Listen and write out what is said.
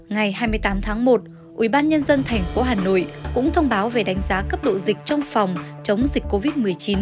ngày hai mươi tám tháng một ubnd tp hà nội cũng thông báo về đánh giá cấp độ dịch trong phòng chống dịch covid một mươi chín